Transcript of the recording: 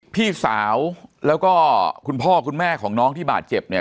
พี่สาวแล้วก็คุณพ่อคุณแม่ของน้องที่บาดเจ็บเนี่ย